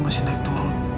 masih naik turun